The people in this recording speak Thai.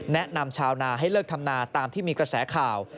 แนะนำชาวนาให้เลิกทำนาตามที่มีกระแสข่าว